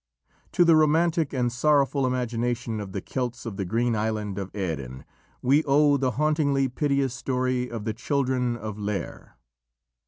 To the romantic and sorrowful imagination of the Celts of the green island of Erin we owe the hauntingly piteous story of the children of Lîr.